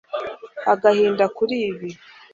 agahinda kuri ibi